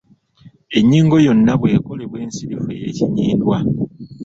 Ennyingo yonna bw’ekolebwa ensirifu ey’ekinnyindwa.